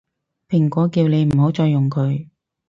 蘋果叫你唔好再用佢